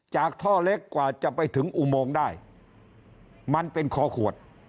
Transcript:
ท่อเล็กกว่าจะไปถึงอุโมงได้มันเป็นคอขวด